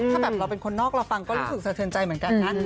ถ้าแบบเราเป็นคนนอกเราฟังก็รู้สึกสะเทือนใจเหมือนกันนะ